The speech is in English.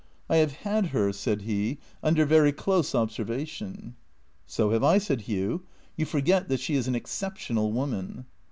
"I have had her," said he, "under very close observation." " So have I," said Hugh. " You forget that she is an excep tional woman."